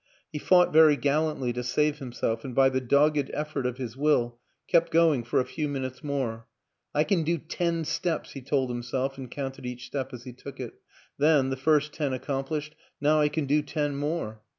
He fought very gallantly to save himself and, by the dogged effort of his will, kept going for a few minutes more. " I can do ten steps," he told himself and counted each step as he took it ; then, the first ten accomplished, " Now I can do ten more."